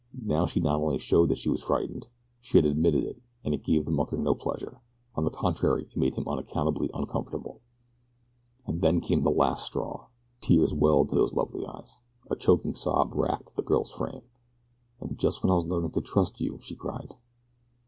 Now she not only showed that she was frightened she had admitted it, and it gave the mucker no pleasure on the contrary it made him unaccountably uncomfortable. And then came the last straw tears welled to those lovely eyes. A choking sob wracked the girl's frame "And just when I was learning to trust you so!" she cried.